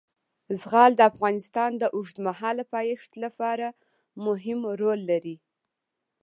زغال د افغانستان د اوږدمهاله پایښت لپاره مهم رول لري.